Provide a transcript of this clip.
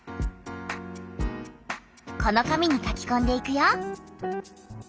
この紙に書きこんでいくよ。